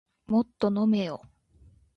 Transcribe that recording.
もっと飲めよ